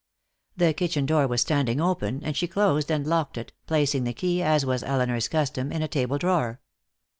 The kitchen door was standing open, and she closed and locked it, placing the key, as was Elinor's custom, in a table drawer.